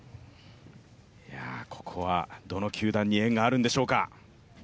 ここはどの球団に縁があるんでしょうか？